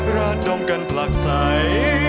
ราดดมกันผลักใส